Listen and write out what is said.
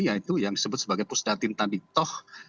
yaitu yang disebut sebagai pusdatin tandiktoh